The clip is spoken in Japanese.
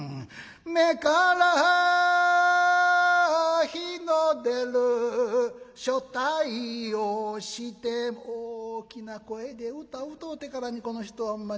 目から火の出る所帯をしても「大きな声で唄歌うてからにこの人はほんまにもう。